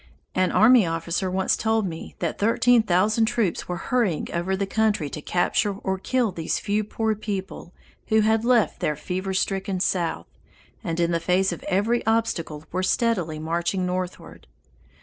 An army officer once told me that thirteen thousand troops were hurrying over the country to capture or kill these few poor people who had left the fever stricken South, and in the face of every obstacle were steadily marching northward.